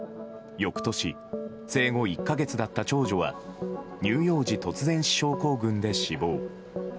翌年、生後１か月だった長女は乳幼児突然死症候群で死亡。